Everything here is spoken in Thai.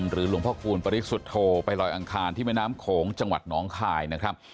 หลวงพ่อคูณปริสุทธโธไปลอยอังคารที่แม่น้ำโขงจังหวัดน้องคายนะครับ